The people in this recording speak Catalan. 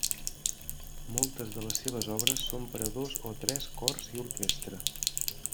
Moltes de les seves obres són per a dos o tres cors i orquestra.